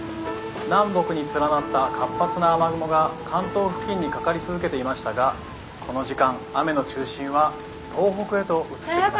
南北に連なった活発な雨雲が関東付近にかかり続けていましたがこの時間雨の中心は東北へと」。